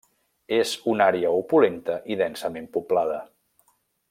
És una àrea opulenta i densament poblada.